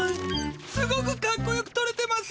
すごくかっこよくとれてます。